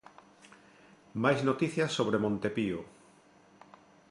Máis noticias sobre Monte Pío.